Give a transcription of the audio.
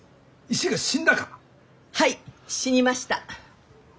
はい死にました。